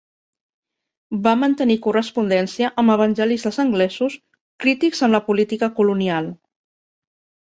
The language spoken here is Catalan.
Va mantenir correspondència amb evangelistes anglesos crítics amb la política colonial.